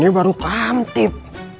ini baru kamtip